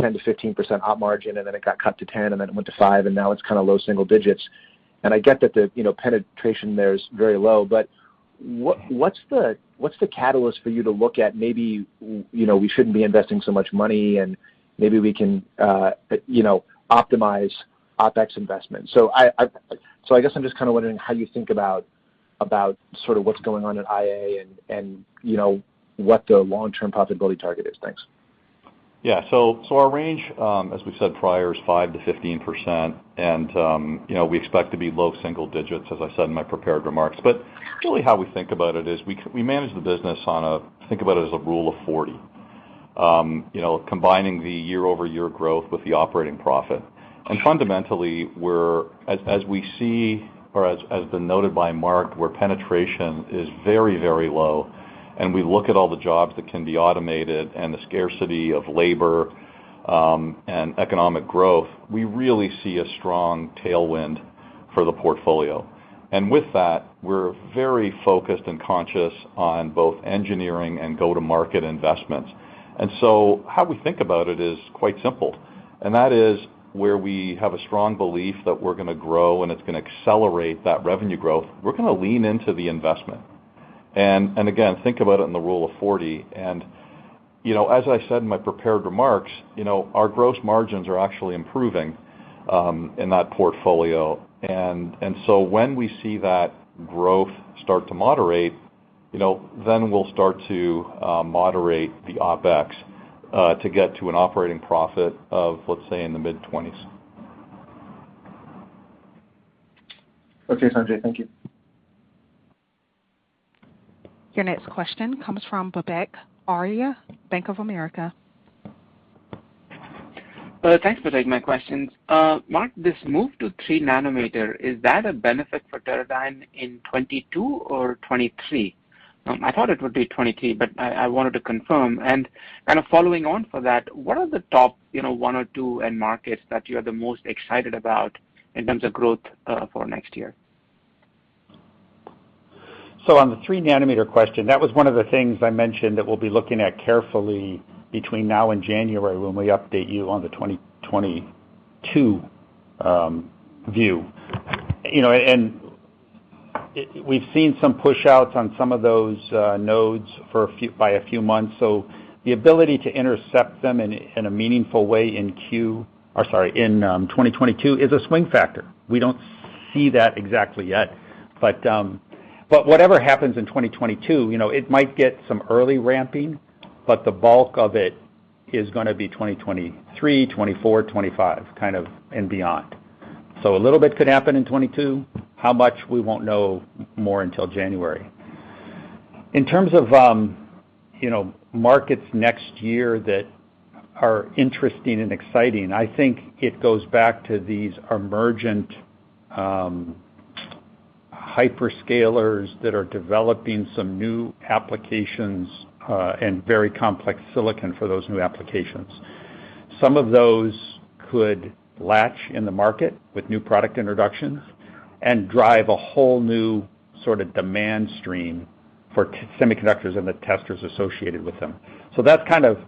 10%-15% op margin, and then it got cut to 10%, and then it went to 5%, and now it's kind of low single digits. I get that the you know, penetration there is very low, but what's the catalyst for you to look at maybe, you know, we shouldn't be investing so much money and maybe we can you know, optimize OpEx investment. I guess I'm just kind of wondering how you think about sort of what's going on in IA and you know what the long-term profitability target is. Thanks. Yeah. Our range, as we said prior, is 5%-15%, and you know, we expect to be low single digits, as I said in my prepared remarks. But really how we think about it is we manage the business. Think about it as a rule of 40. You know, combining the year-over-year growth with the operating profit. Fundamentally, as we see or as has been noted by Mark, where penetration is very, very low, and we look at all the jobs that can be automated and the scarcity of labor, and economic growth, we really see a strong tailwind for the portfolio. With that, we're very focused and conscious on both engineering and go-to-market investments. How we think about it is quite simple, and that is where we have a strong belief that we're gonna grow and it's gonna accelerate that revenue growth, we're gonna lean into the investment. Again, think about it in the rule of 40. You know, as I said in my prepared remarks, you know, our gross margins are actually improving in that portfolio. So when we see that growth start to moderate, you know, then we'll start to moderate the OpEx to get to an operating profit of, let's say, in the mid-20s. Okay, Sanjay. Thank you. Your next question comes from Vivek Arya, Bank of America. Thanks for taking my questions. Mark, this move to 3 nm, is that a benefit for Teradyne in 2022 or 2023? I thought it would be 2023, but I wanted to confirm. Kind of following on for that, what are the top, you know, one or two end markets that you are the most excited about in terms of growth for next year? On the 3 nm question, that was one of the things I mentioned that we'll be looking at carefully between now and January when we update you on the 2022 view. You know, and it, we've seen some push outs on some of those nodes by a few months. The ability to intercept them in a meaningful way in Q, or sorry, in 2022 is a swing factor. We don't see that exactly yet. But whatever happens in 2022, you know, it might get some early ramping, but the bulk of it is gonna be 2023, 2024, 2025, kind of, and beyond. A little bit could happen in 2022. How much? We won't know more until January. In terms of, you know, markets next year that are interesting and exciting, I think it goes back to these emergent hyperscalers that are developing some new applications and very complex silicon for those new applications. Some of those could latch in the market with new product introductions and drive a whole new sort of demand stream for semiconductors and the testers associated with them. That's kind of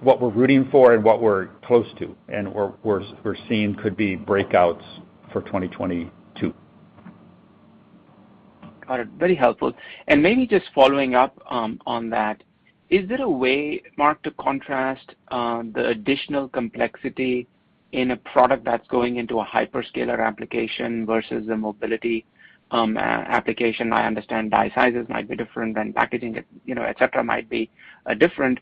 what we're rooting for and what we're close to, and what we're seeing could be breakouts for 2022. Got it. Very helpful. Maybe just following up on that, is there a way, Mark, to contrast the additional complexity in a product that's going into a hyperscaler application versus a mobility application? I understand die sizes might be different and packaging, you know, et cetera, might be different.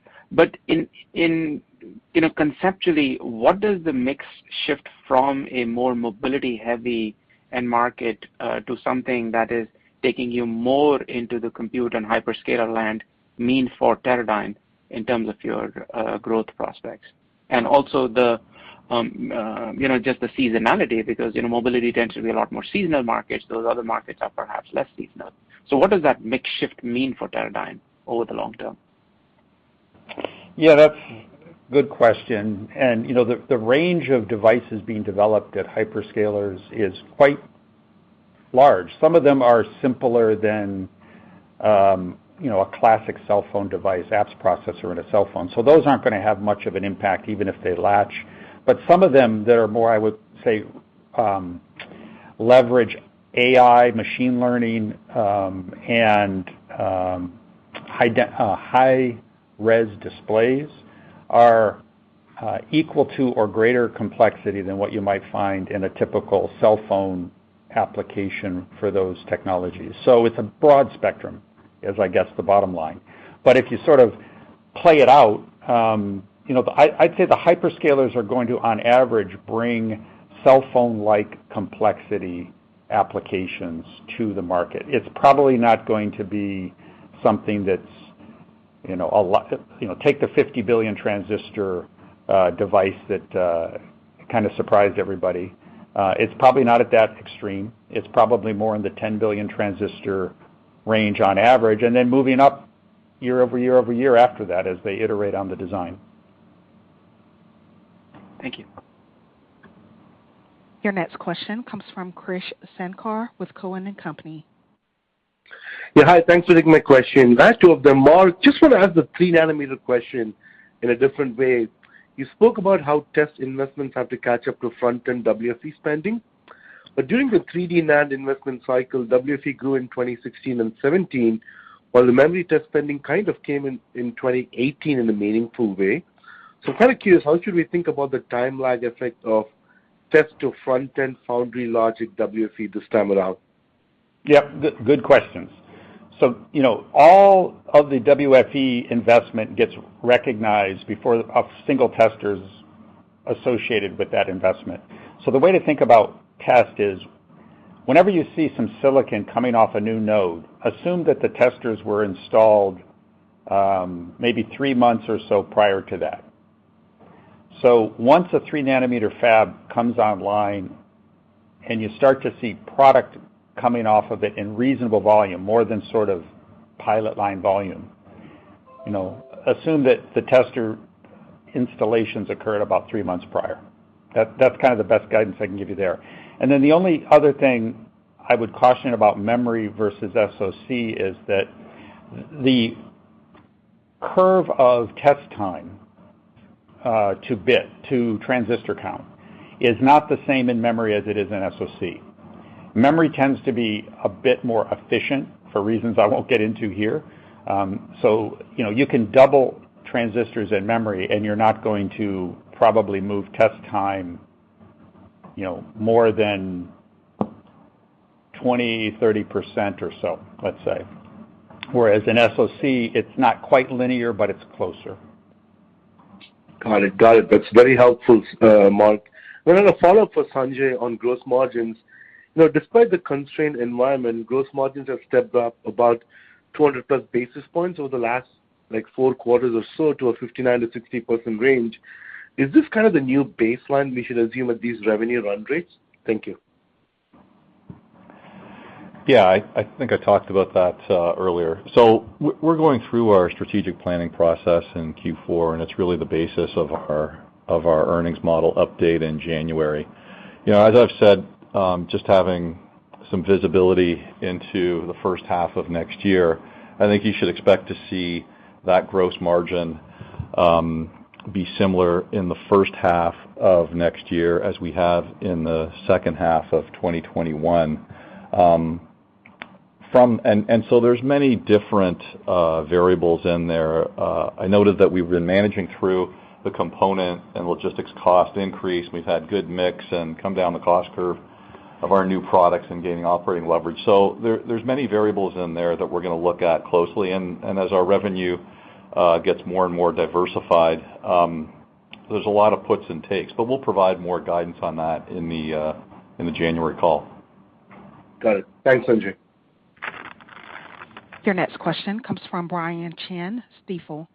In, you know, conceptually, what does the mix shift from a more mobility-heavy end market to something that is taking you more into the compute and hyperscaler land mean for Teradyne in terms of your growth prospects? Also the, you know, just the seasonality because, you know, mobility tends to be a lot more seasonal markets. Those other markets are perhaps less seasonal. What does that mix shift mean for Teradyne over the long term? Yeah, that's a good question. You know, the range of devices being developed at hyperscalers is quite large. Some of them are simpler than, you know, a classic cell phone device, apps processor in a cell phone. So those aren't gonna have much of an impact even if they latch. But some of them that are more, I would say, leverage AI machine learning, and high-res displays are equal to or greater complexity than what you might find in a typical cell phone application for those technologies. So it's a broad spectrum, is I guess, the bottom line. But if you sort of play it out, you know, I'd say the hyperscalers are going to, on average, bring cell phone-like complexity applications to the market. It's probably not going to be something that's, you know, a lot. You know, take the 50 billion transistor device that kind of surprised everybody. It's probably not at that extreme. It's probably more in the 10 billion transistor range on average, and then moving up year over year-over-year after that as they iterate on the design. Thank you. Your next question comes from Krish Sankar with Cowen and Company. Yeah. Hi, thanks for taking my question. I have two of them. Mark, just want to ask the 3 nm question in a different way. You spoke about how test investments have to catch up to front-end WFE spending. During the 3D NAND investment cycle, WFE grew in 2016 and 2017, while the memory test spending kind of came in 2018 in a meaningful way. Kind of curious, how should we think about the timeline effect of test to front-end foundry logic WFE this time around? Yeah, good questions. You know, all of the WFE investment gets recognized before a single tester's associated with that investment. The way to think about test is whenever you see some silicon coming off a new node, assume that the testers were installed, maybe three months or so prior to that. Once a 3 nm fab comes online and you start to see product coming off of it in reasonable volume, more than sort of pilot line volume, you know, assume that the tester installations occurred about three months prior. That's kind of the best guidance I can give you there. Then the only other thing I would caution about memory versus SOC is that the curve of test time to bit to transistor count is not the same in memory as it is in SOC. Memory tends to be a bit more efficient for reasons I won't get into here. You know, you can double transistors in memory, and you're not going to probably move test time, you know, more than 20%-30% or so, let's say. Whereas in SOC, it's not quite linear, but it's closer. Got it. That's very helpful, Mark. A follow-up for Sanjay on gross margins. You know, despite the constrained environment, gross margins have stepped up about 200 plus basis points over the last, like, four quarters or so to a 59%-60% range. Is this kind of the new baseline we should assume at these revenue run rates? Thank you. Yeah. I think I talked about that earlier. We're going through our strategic planning process in Q4, and it's really the basis of our earnings model update in January. You know, as I've said, just having some visibility into the first half of next year, I think you should expect to see that gross margin be similar in the first half of next year as we have in the second half of 2021. There's many different variables in there. I noted that we've been managing through the component and logistics cost increase. We've had good mix and come down the cost curve of our new products and gaining operating leverage. There's many variables in there that we're gonna look at closely. As our revenue gets more and more diversified, there's a lot of puts and takes, but we'll provide more guidance on that in the January call. Got it. Thanks, Sanjay. Your next question comes from Brian Chin, Stifel.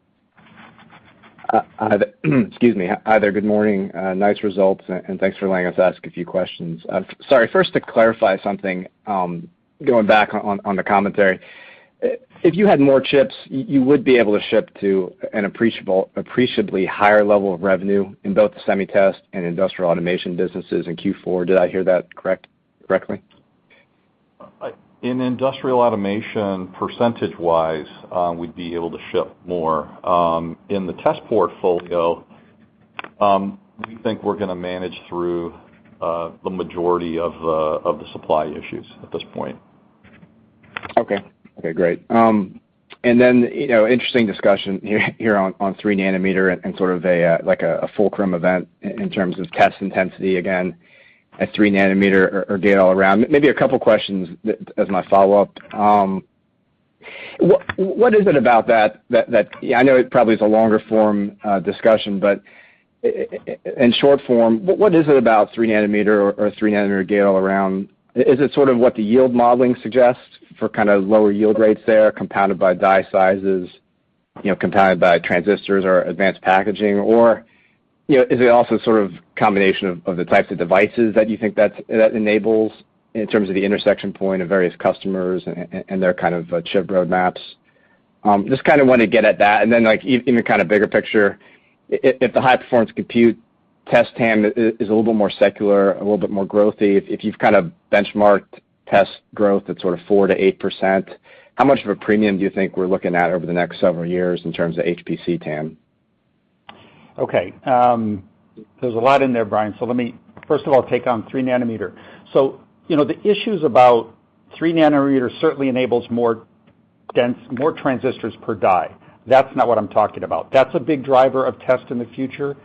Excuse me. Hi there. Good morning. Nice results, and thanks for letting us ask a few questions. Sorry, first to clarify something, going back on the commentary. If you had more chips, you would be able to ship to an appreciably higher level of revenue in both the SEMITEST and industrial automation businesses in Q4. Did I hear that correctly? In industrial automation, percentage-wise, we'd be able to ship more. In the test portfolio, we think we're gonna manage through the majority of the supply issues at this point. Okay. Okay, great. You know, interesting discussion here on 3 nm and sort of a like a fulcrum event in terms of test intensity again at 3 nm or Gate-All-Around. Maybe a couple questions as my follow-up. What is it about that? I know it probably is a longer form discussion, but in short form, what is it about 3 nm or 3 nm Gate-All-Around? Is it sort of what the yield modeling suggests for kind of lower yield rates there, compounded by die sizes, you know, compounded by transistors or advanced packaging or, you know, is it also sort of combination of the types of devices that you think that enables in terms of the intersection point of various customers and their kind of chip roadmaps? Just kind of want to get at that. Like, in the kind of bigger picture, if the high-performance compute test TAM is a little bit more secular, a little bit more growthy, if you've kind of benchmarked test growth at sort of 4%-8%, how much of a premium do you think we're looking at over the next several years in terms of HPC TAM? Okay. There's a lot in there, Brian. Let me first of all take on 3 nm. You know, the issues about 3 nm certainly enables more dense, more transistors per die. That's not what I'm talking about. That's a big driver of test in the future.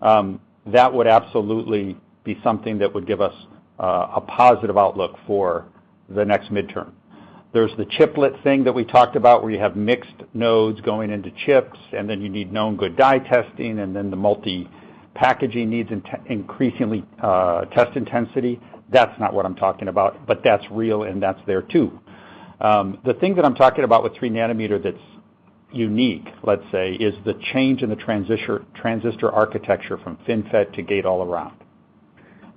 That would absolutely be something that would give us a positive outlook for the next midterm. There's the chiplet thing that we talked about, where you have mixed nodes going into chips, and then you need known good die testing, and then the multi-packaging needs increasingly test intensity. That's not what I'm talking about. But that's real, and that's there, too. The thing that I'm talking about with 3 nm that's unique, let's say, is the change in transistor architecture from FinFET to Gate-All-Around.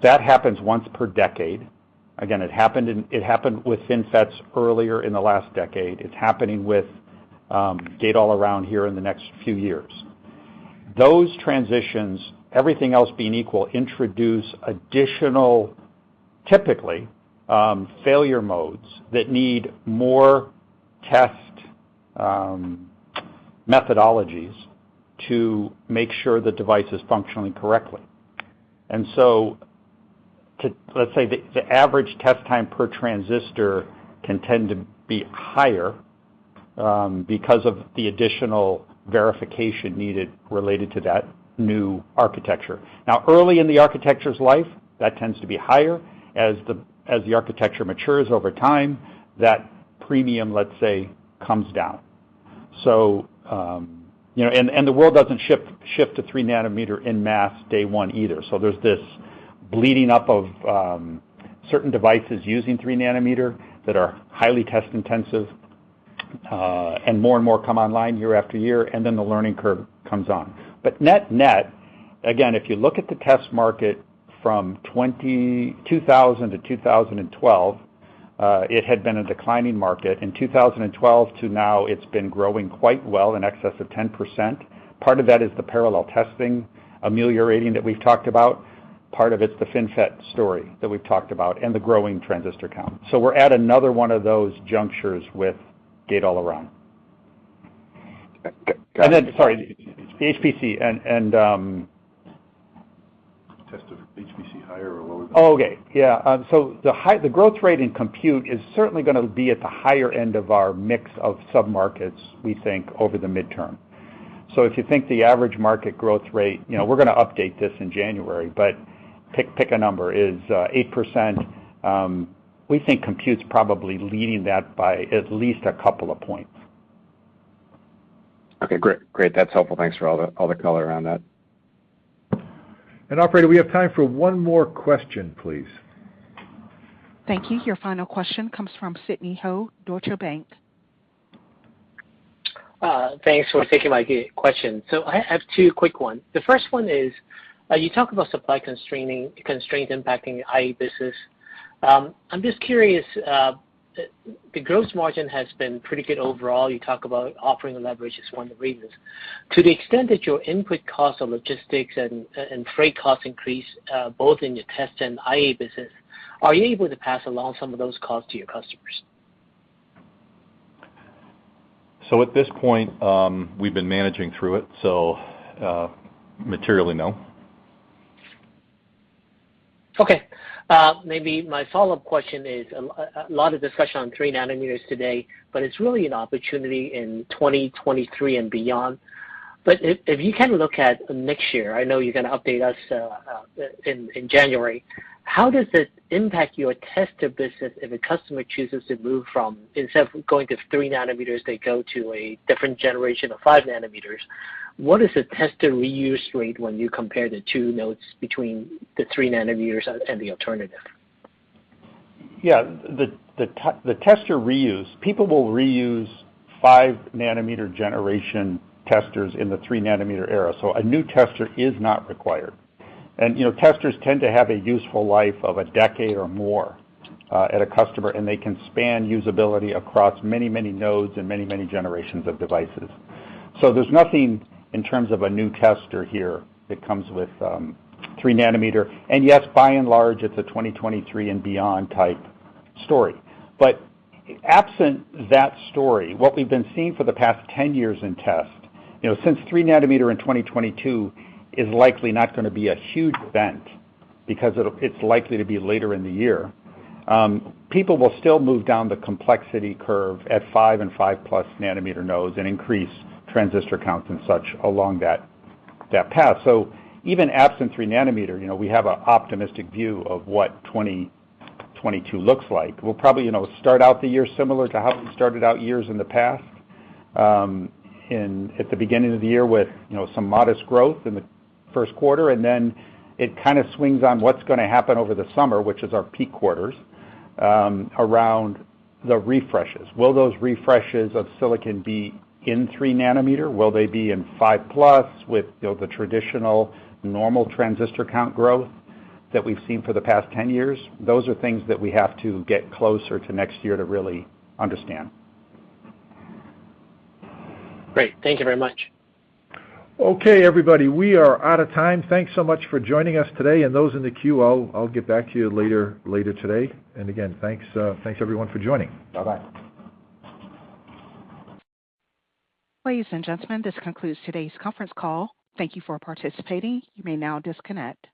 That happens once per decade. Again, it happened with FinFETs earlier in the last decade. It's happening with Gate-All-Around here in the next few years. Those transitions, everything else being equal, introduce additional, typically, failure modes that need more test methodologies to make sure the device is functioning correctly. Let's say, the average test time per transistor can tend to be higher because of the additional verification needed related to that new architecture. Now, early in the architecture's life, that tends to be higher. As the architecture matures over time, that premium, let's say, comes down. The world doesn't shift to 3 nm en masse day one either. There's this bleeding up of certain devices using 3 nm that are highly test-intensive, and more and more come online year after year, and then the learning curve comes on. But net-net, again, if you look at the test market from 2000 to 2012, it had been a declining market. In 2012 to now, it's been growing quite well, in excess of 10%. Part of that is the parallel testing ameliorating that we've talked about. Part of it's the FinFET story that we've talked about and the growing transistor count. We're at another one of those junctures with Gate-All-Around. Go- Sorry, HPC, and Test of HPC higher or lower than Oh, okay. Yeah. The growth rate in compute is certainly gonna be at the higher end of our mix of sub-markets, we think, over the midterm. If you think the average market growth rate, you know, we're gonna update this in January, but pick a number, is 8%, we think compute's probably leading that by at least a couple of points. Okay, great. Great. That's helpful. Thanks for all the color around that. Operator, we have time for one more question, please. Thank you. Your final question comes from Sidney Ho, Deutsche Bank. Thanks for taking my question. I have two quick ones. The first one is, you talk about supply constraints impacting IA business. I'm just curious, the gross margin has been pretty good overall. You talk about operating leverage is one of the reasons. To the extent that your input costs on logistics and freight costs increase, both in your test and IA business, are you able to pass along some of those costs to your customers? At this point, we've been managing through it, so materially, no. Okay. Maybe my follow-up question is, a lot of discussion on 3 nm today, but it's really an opportunity in 2023 and beyond. If you can look at next year, I know you're gonna update us in January, how does it impact your tester business if a customer chooses to move from, instead of going to 3 nm, they go to a different generation of 5 nm? What is the tester reuse rate when you compare the two nodes between the 3 nm and the alternative? Yeah. The tester reuse, people will reuse 5 nm generation testers in the 3 nm era, so a new tester is not required. You know, testers tend to have a useful life of a decade or more at a customer, and they can span usability across many nodes and many generations of devices. There's nothing in terms of a new tester here that comes with 3 nm. Yes, by and large, it's a 2023 and beyond type story. Absent that story, what we've been seeing for the past 10 years in test, since 3 nm in 2022 is likely not gonna be a huge event because it's likely to be later in the year, people will still move down the complexity curve at 5 and 5+ nm nodes and increase transistor counts and such along that path. Even absent 3 nm, we have an optimistic view of what 2022 looks like. We'll probably start out the year similar to how we started out years in the past, at the beginning of the year with some modest growth in the first quarter, and then it kind of swings on what's gonna happen over the summer, which is our peak quarters, around the refreshes. Will those refreshes of silicon be in 3 nm? Will they be in 5+ with, you know, the traditional normal transistor count growth that we've seen for the past 10 years? Those are things that we have to get closer to next year to really understand. Great. Thank you very much. Okay, everybody. We are out of time. Thanks so much for joining us today. Those in the queue, I'll get back to you later today. Again, thanks everyone for joining. Bye-bye. Ladies and gentlemen, this concludes today's conference call. Thank you for participating. You may now disconnect.